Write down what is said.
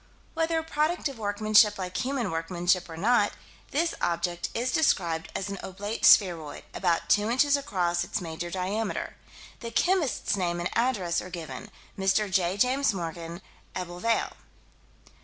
Whether a product of workmanship like human workmanship or not, this object is described as an oblate spheroid, about two inches across its major diameter. The chemist's name and address are given: Mr. J. James Morgan: Ebbw Vale.